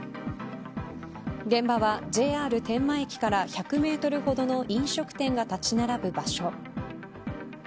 現場はＪＲ天満駅から１００メートルほどの飲食店が立ち並ぶ場所。